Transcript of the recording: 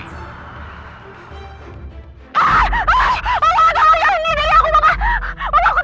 bapak aku takut banget